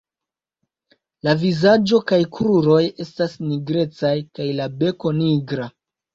La vizaĝo kaj kruroj estas nigrecaj kaj la beko nigra.